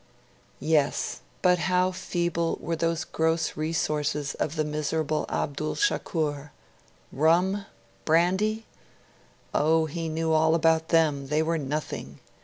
Yes but how feeble were those gross resources of the miserable Abdul Shakur! Rum? Brandy? Oh, he knew all about them; they were nothing.